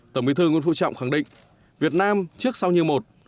tổng bí thư nguyễn phú trọng khẳng định việt nam trước sau như một